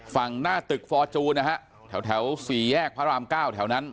ฝั่งหน้าตึกฟอร์จูนนะฮะแถว๔แยกพระราม๙แถวนั้น